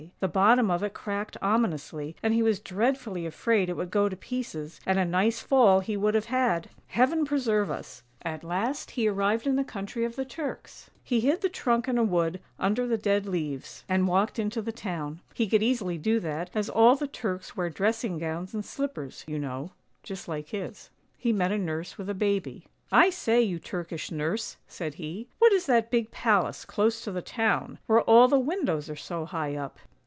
The bottom of it cracked ominously, and he was dreadfully afraid it would go to pieces, and a nice fall he would have had! Heaven preserve us! At last he arrived in the country of the Turks. He hid the trunk in a wood under the dead leaves, and 26 THE FLYING TRUNK. THE FLYING TRUNK 27 walked into the town; he could easily do that, as all the Turks wear dressing gowns and slippers, you know, just like his. He met a nurse with a baby. " I say, you Turkish nurse," said he, " what is that big palace close to the town, where all the windows are so high up?